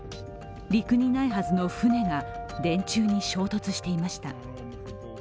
陸にないはずの船が電柱に衝突していました。